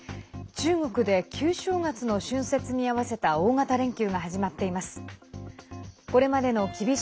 中国で旧正月の春節にあわせた大型連休が始まっています。